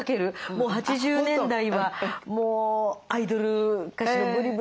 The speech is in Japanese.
もう８０年代はもうアイドル歌手のブリブリのね